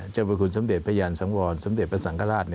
เจ้าพระคุณสมเด็จพระยานสังวรสมเด็จพระสังฆราช